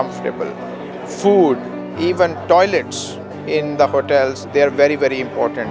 makanan bahkan toilet di hotel sangat sangat penting